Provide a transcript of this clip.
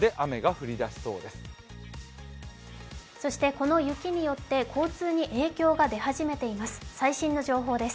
この雪によって交通に影響が出始めています。